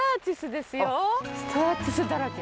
スターチスだらけ。